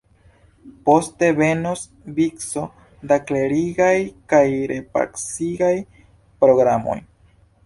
Poste venos vico da klerigaj kaj repacigaj programoj.